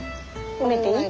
埋めていい。